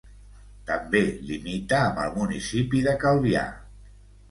També limita amb el municipi de Calvià.